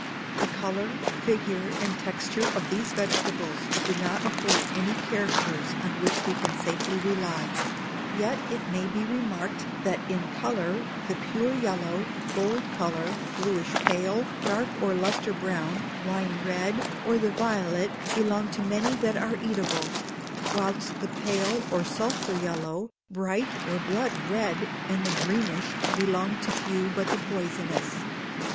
The colour, figure, and texture of these vegetables do not afford any characters on which we can safely rely; yet it may be remarked that in colour the pure yellow, gold colour, bluish pale, dark or lustre brown, wine red, or the violet, belong to many that are eatable; whilst the pale or sulphur yellow, bright or blood red, and the greenish belong to few but the poisonous.